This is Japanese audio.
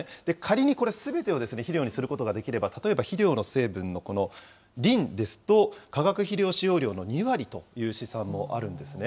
仮にこれ、すべてを肥料にすることができれば、例えば肥料の成分のリンですと、化学肥料使用量の２割という試算もあるんですね。